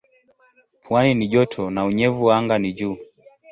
Pwani ni joto na unyevu anga ni juu.